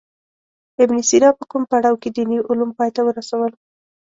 ابن سینا په کوم پړاو کې دیني علوم پای ته ورسول.